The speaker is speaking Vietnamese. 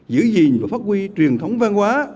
giữ gìn và phát huy truyền thống văn hóa